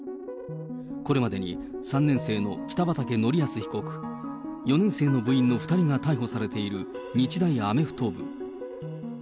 これまでに、３年生の北畠成文被告、４年生の部員の２人が逮捕されている日大アメフト部。